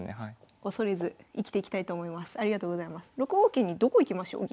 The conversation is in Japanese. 桂にどこ行きましょう銀。